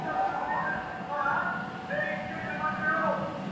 او پرې را اوري يې جانـــــانــــــه دوړي _